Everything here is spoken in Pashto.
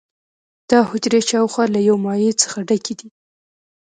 دا حجرې شاوخوا له یو مایع څخه ډکې دي.